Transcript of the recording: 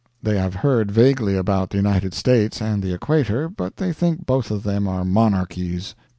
They have heard vaguely about the United States and the equator, but they think both of them are monarchies.